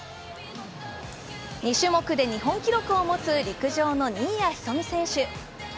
２種目で日本記録を持つ陸上の新谷仁美選手。